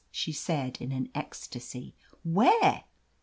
'* she said in an ecstacy "Where?"